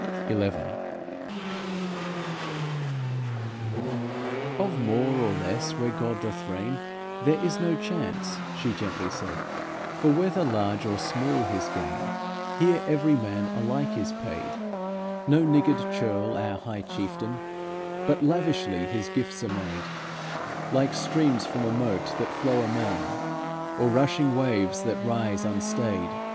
XI "Of more or less where God doth reign, There is no chance," she gently said, "For, whether large or small his gain, Here every man alike is paid. No niggard churl our High Chieftain, But lavishly His gifts are made, Like streams from a moat that flow amain, Or rushing waves that rise unstayed.